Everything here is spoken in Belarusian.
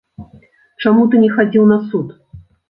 Чаму ты не хадзіў на суд?!.